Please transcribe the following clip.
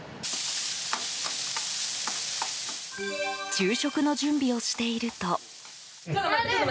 昼食の準備をしていると。